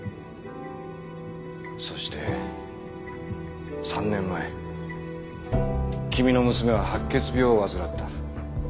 そして３年前君の娘は白血病を患った。